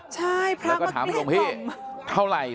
ใช่พระมาคิดให้ตรง